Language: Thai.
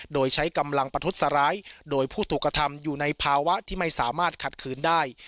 โดยใช้กำลังประทุษร้ายโดยผู้ถูกกระทำอยู่ในภาวะที่ไม่สามารถขัดขืนได้